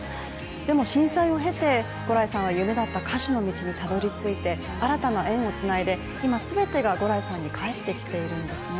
でも震災を経て牛来さんは夢だった歌手の道へたどりついて、新たな縁をつないで、今全てが牛来さんに帰ってきているんですね。